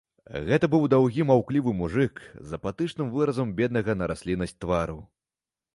Гэта быў даўгі маўклівы мужык з апатычным выразам беднага на расліннасць твару.